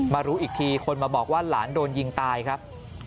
รู้อีกทีคนมาบอกว่าหลานโดนยิงตายครับ